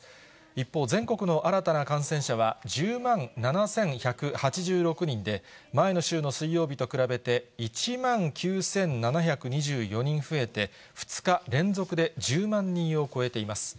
一方、全国の新たな感染者は１０万７１８６人で、前の週の水曜日と比べて、１万９７２４人増えて、２日連続で１０万人を超えています。